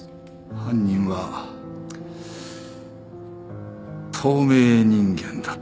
犯人は透明人間だったんです